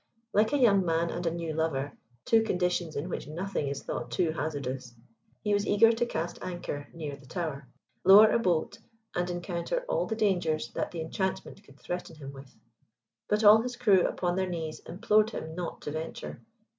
Like a young man and a new lover, two conditions in which nothing is thought too hazardous, he was eager to cast anchor near the Tower, lower a boat, and encounter all the dangers that the enchantment could threaten him with; but all his crew upon their knees implored him not to venture.